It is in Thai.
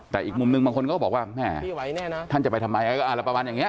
แต่อีกมุมนึงบางคนก็บอกว่าแม่ท่านจะไปทำไมอะไรประมาณอย่างนี้